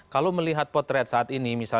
kalau melihat potret saat ini